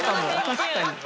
確かに。